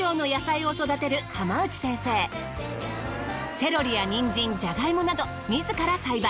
セロリやニンジンジャガイモなど自ら栽培。